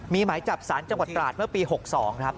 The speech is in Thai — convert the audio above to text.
มีหมายจับสารจังหวัดตราดเมื่อปี๖๒ครับ